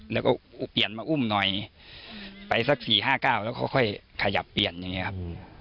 แล้วก็เปลี่ยนมาอุ้มหน่อยไปสัก๔๕๙แล้วค่อยขยับเปลี่ยนอย่างนี้ครับ